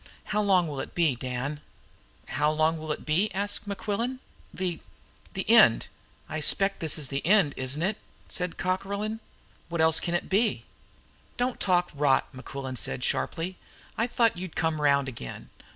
How long will it be, Dan?" "How long will what be?" asked Mequillen. "The the end? I expect this is the end, isn't it?" said Cockerlyne. "What else can it be?" "Don't talk rot!" said Mequillen sharply. "I thought you'd come round again.